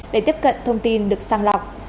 để tiếp cận thông tin được sang lọc